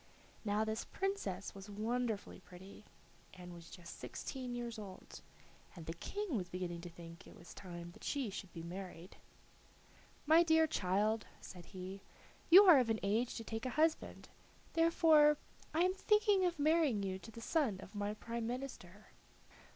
Now this princess was wonderfully pretty and was just sixteen years old, and the King was beginning to think it was time that she should be married. "My dear child," said he, "you are of an age to take a husband, therefore I am thinking of marrying you to the son of my prime minister.